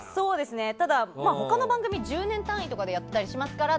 ただ、他の番組は１０年単位とかでやってますから。